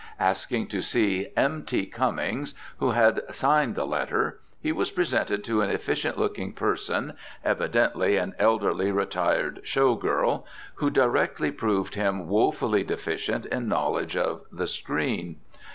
Asking to see "M. T. Cummings," who had signed the letter, he was presented to an efficient looking person, evidently an elderly, retired show girl, who directly proved him wofully deficient in knowledge of "the screen."